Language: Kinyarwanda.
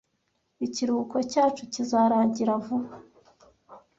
Ikiruhuko cyacu kizarangira vuba.